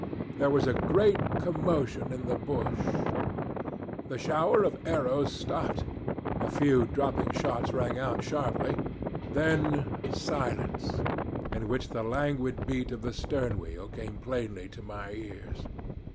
There was a great commotion in the bush; the shower of arrows stopped, a few dropping shots rang out sharply then silence, in which the languid beat of the stern wheel came plainly to my ears.